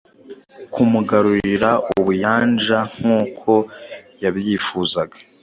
kumugarurira ubuyanjankuko yabyifuzaga